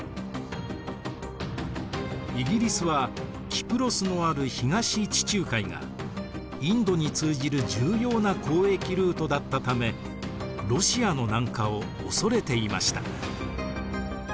イギリスはキプロスのある東地中海がインドに通じる重要な交易ルートだったためロシアの南下を恐れていました。